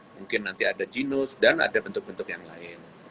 mungkin nanti ada jinus dan ada bentuk bentuk yang lain